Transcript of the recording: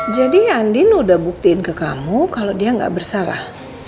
jadi andin udah buktiin ke kamu kalau dia nggak bersalah